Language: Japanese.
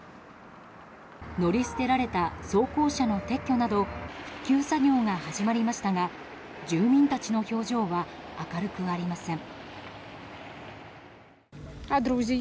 乗り捨てられた装甲車の撤去など復旧作業が始まりましたが住民たちの表情は明るくありません。